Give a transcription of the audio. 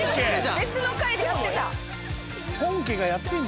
別の回でやってた。